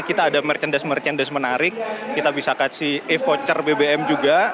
kita ada merchandise merchandise menarik kita bisa kasih e voucher bbm juga